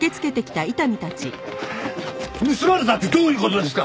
盗まれたってどういう事ですか！？